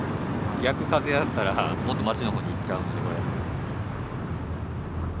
逆風やったらもっと街の方に行っちゃうのでこれ。